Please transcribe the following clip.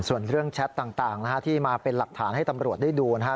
ส่วนเรื่องแชทต่างนะฮะที่มาเป็นหลักฐานให้ตำรวจได้ดูนะฮะ